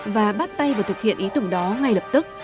và bắt tay vào thực hiện ý tưởng đó ngay lập tức